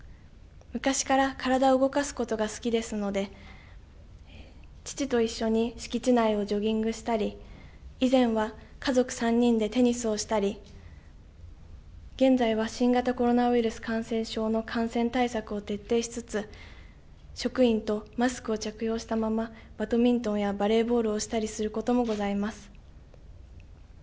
昔から体を動かすことが好きですので父と一緒に敷地内をジョギングしたり以前は家族３人でテニスをしたり現在は新型コロナウイルス感染症の感染対策を徹底しつつ職員とマスクを着用したままバドミントンやバレーボールをしたりすることもございます。